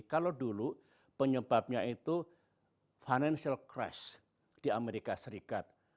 kalau dulu penyebabnya itu financial crash di amerika serikat